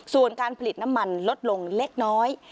ส่วนการผลิตน้ำมันลดลงเล็กน้อย